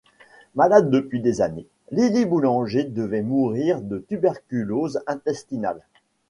Malade depuis des années, Lili Boulanger devait mourir de tuberculose intestinale.